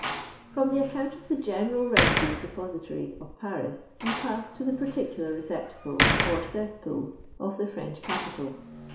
From the ac<x)unt of the general refuse depositories of Paris we pass to the particular receptacles or ces8i)Ool8 of the French capital.